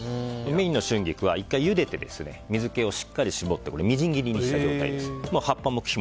メインの春菊は１回ゆでて水けをしっかり絞ってみじん切りにします。